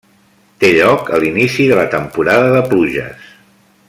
Té lloc a l'inici de la temporada de pluges.